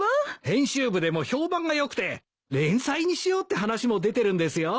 編集部でも評判が良くて連載にしようって話も出てるんですよ。